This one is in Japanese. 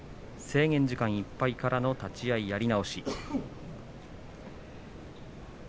制限時間いっぱいからの立ち合いやり直し。